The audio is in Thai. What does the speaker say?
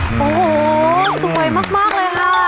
โอ้โหสวยมากเลยค่ะ